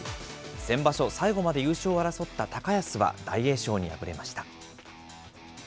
先場所、最後まで優勝を争った高安は大栄翔に敗れました。